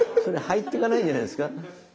それ入ってかないんじゃないですか？